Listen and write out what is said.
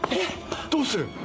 どうする？